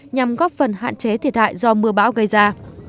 nhằm góp phần hạn chế thiệt hại do mưa bão gây ra